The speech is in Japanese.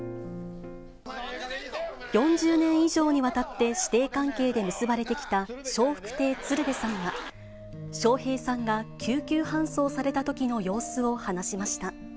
４０年以上にわたって師弟関係で結ばれてきた笑福亭鶴瓶さんは、笑瓶さんが救急搬送されたときの様子を話しました。